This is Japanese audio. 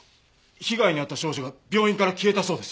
被害に遭った少女が病院から消えたそうです。